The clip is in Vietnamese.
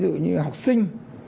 ví dụ như là học sinh